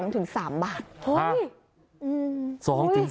เท่าไหร่คะ